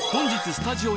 スタジオ